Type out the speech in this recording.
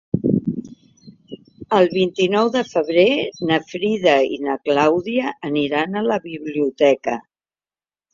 El vint-i-nou de febrer na Frida i na Clàudia aniran a la biblioteca.